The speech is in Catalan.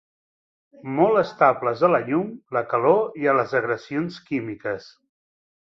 Molt estables a la llum, la calor i a les agressions químiques.